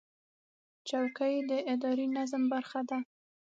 چوکۍ د اداري نظم برخه ده.